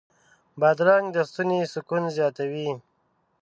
بادرنګ د ستوني سکون زیاتوي.